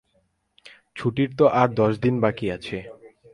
ছুটির তো আর দশ দিন বাকি আছে।